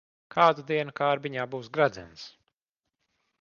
Kādu dienu kārbiņā būs gredzens.